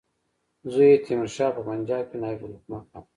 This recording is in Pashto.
زوی یې تیمورشاه په پنجاب کې نایب الحکومه کړ.